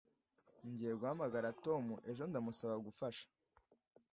Ngiye guhamagara Tom ejo ndamusaba gufasha